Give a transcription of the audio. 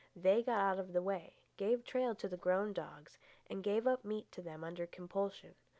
They got out of the way, gave trail to the grown dogs, and gave up meat to them under compulsion.